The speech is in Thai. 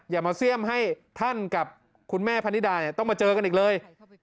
อย่ามาเสี่ยมให้ท่านกับคุณแม่พนิดาต้องมาเจอกันอีกเลย